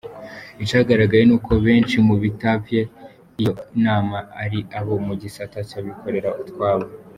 Icagaragaye ni uko benshi mubitavye iyo inama ari abo mu gisata c'abikorera utwabo.